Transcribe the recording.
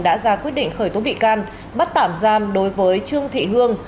đã ra quyết định khởi tố bị can bắt tạm giam đối với trương thị hương